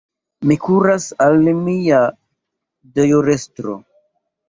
Mi kuras al mia deĵorestro.